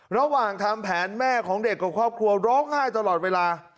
ระหว่างทำแผนแม่ของเด็กกับครอบครัวร้องไห้ตลอดเวลา